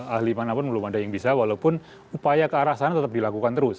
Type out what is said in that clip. ahli mana pun belum ada yang bisa walaupun upaya ke arah sana tetap dilakukan terus